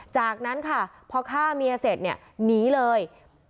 จากนั้นค่ะพอฆ่ามีเศษนี่หนีเลย